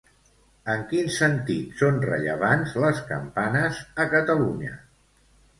En quin sentit són rellevants les campanes a Catalunya?